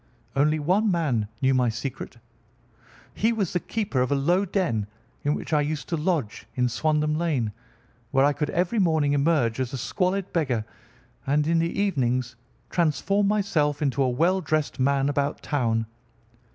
Only one man knew my secret. He was the keeper of a low den in which I used to lodge in Swandam Lane, where I could every morning emerge as a squalid beggar and in the evenings transform myself into a well dressed man about town.